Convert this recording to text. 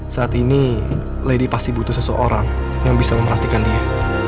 saat ini lady pasti butuh seseorang yang bisa memperhatikan dia